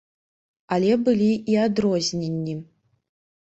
Але былі і адрозненні.